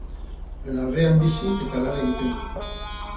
Larrean bizi eta lan egiten du.